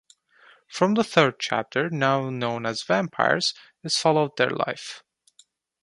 From the third chapter, now known as "vampires", is followed their life.